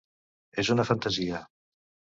És una fantasia.